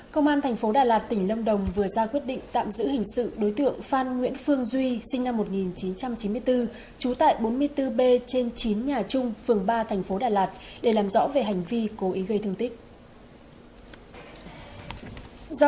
công an thành phố đà lạt tỉnh lâm đồng vừa ra quyết định tạm giữ hình sự đối tượng phan nguyễn phương duy sinh năm một nghìn chín trăm chín mươi bốn trú tại bốn mươi bốn b trên chín nhà trung phường ba thành phố đà lạt để làm rõ về hành vi cố ý gây thương tích